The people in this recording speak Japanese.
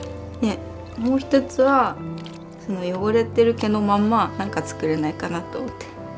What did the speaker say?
でもう一つはその汚れてる毛のまんまなんか作れないかなと思って。